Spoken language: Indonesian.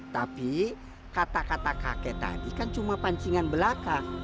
tapi kata kata kakek tadi kan cuma pancingan belaka